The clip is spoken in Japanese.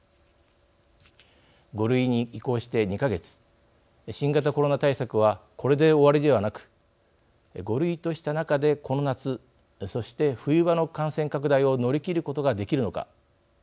５類に移行して、２か月新型コロナ対策はこれで終わりではなく５類とした中で、この夏そして、冬場の感染拡大を乗り切ることができるのか。